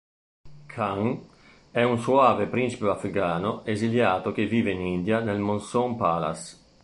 Khan è un soave principe afgano esiliato che vive in India nel Monsoon Palace.